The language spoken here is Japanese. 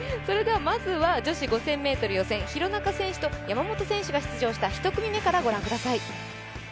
まずは女子５０００ｍ予選、廣中選手と山本選手が出場した１組目からご覧ください。